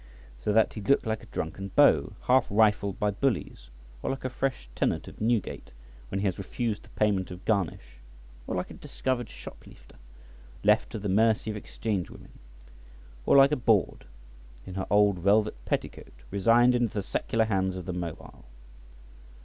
So that he looked like a drunken beau half rifled by bullies, or like a fresh tenant of Newgate when he has refused the payment of garnish, or like a discovered shoplifter left to the mercy of Exchange women {111a}, or like a bawd in her old velvet petticoat resigned into the secular hands of the mobile {111b}.